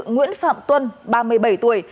nguyễn phạm tuân ba mươi bảy tuổi